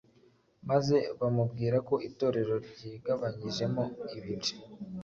maze bamubwira ko Itorero ryigabanyijemo ibice.